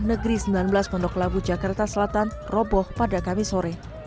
negeri sembilan belas pondok labu jakarta selatan roboh pada kamis sore